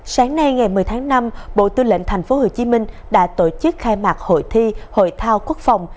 sáng nay ngày một mươi tháng năm bộ tư lệnh tp hcm đã tổ chức khai mạc hội thi hội thao quốc phòng